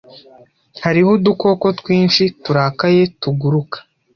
Hariho udukoko twinshi turakaye tuguruka.